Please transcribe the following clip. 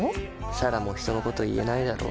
彩良も人のこと言えないだろ。